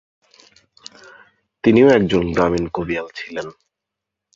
তিনিও একজন গ্রামীণ কবিয়াল ছিলেন।